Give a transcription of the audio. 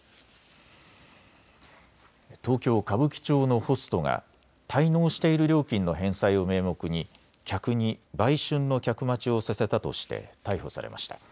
東京歌舞伎町のホストが滞納している料金の返済を名目に客に売春の客待ちをさせたとして逮捕されました。